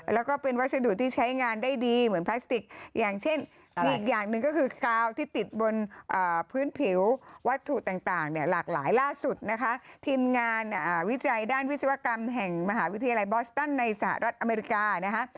แล้วก็เป็นวัสดุที่ใช้งานได้ดีเหมือนพลาสติกอย่างเช่นอีกอย่างหนึ่งก็คือกาวที่ติดบนพื้นผิววัตถุต่างเนี่ยหลากหลายล่าสุดนะคะทีมงานวิจัยด้านวิศวกรรมแห่งมหาวิทยาลัยบอสตันในสหรัฐอเมริกานะคะ